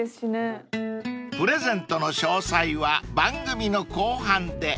［プレゼントの詳細は番組の後半で。